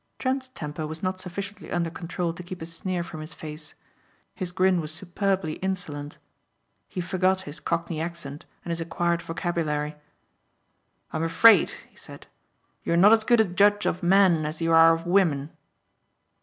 Trent's temper was not sufficiently under control to keep a sneer from his face. His grin was superbly insolent. He forgot his cockney accent and his acquired vocabulary. "I'm afraid," he said, "you are not as good a judge of men as you are of women."